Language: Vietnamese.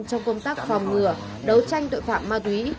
trong công tác phòng ngừa đấu tranh tội phạm ma túy